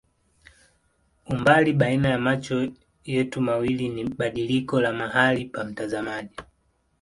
Umbali baina ya macho yetu mawili ni badiliko la mahali pa mtazamaji.